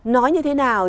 nói như thế nào